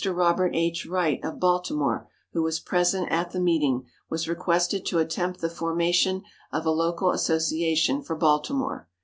Robert H. Wright, of Baltimore, who was present at the meeting, was requested to attempt the formation of a local association for Baltimore.